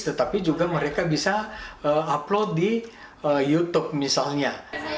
tetapi juga mereka bisa upload di youtube misalnya